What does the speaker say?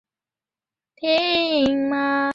这个故事隶属于他的机器人系列的作品。